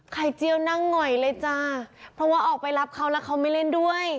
เจี้ยวนั่งหง่อยเลยจ้าเพราะว่าออกไปรับเขาแล้วเขาไม่เล่นด้วย